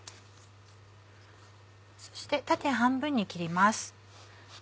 そして縦半分に切ります。